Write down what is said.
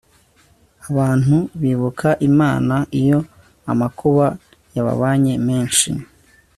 abantu bibuka imana iyo amakuba yababanye menshi